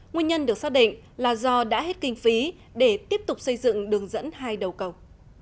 nguyên nhân được xác định là do đã hết kinh phí để tiếp tục xây dựng đường dẫn hai đầu cầu